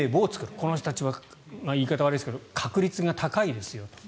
この人たちは言い方悪いですが確率が高いですよと。